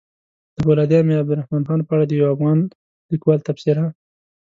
د فولادي امير عبدالرحمن خان په اړه د يو افغان ليکوال تبصره!